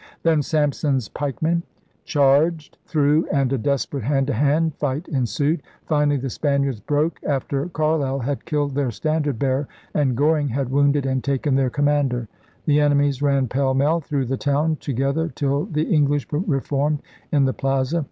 Then Sampson's pikemen charged through and a desperate hand to hand fight ensued. Finally the Spaniards broke after Carleill had killed their standard bearer and Gor ing had wounded and taken their commander. The enemies ran pell mell through the town to gether till the English reformed in the Plaza.